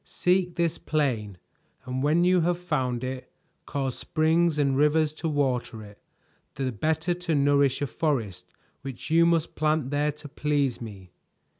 "Seek this plain, and when you have found it, cause springs and rivers to water it, the better to nourish a forest which you must plant there to please me.